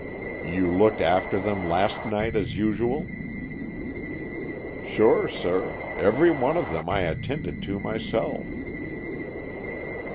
"You looked after them last night, as usual?" "Sure, sir; every one of them I attended to myself."